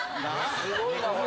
すごいなこれ。